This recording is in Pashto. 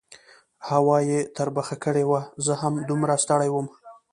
هوا یې تربخه کړې وه، زه هم دومره ستړی وم.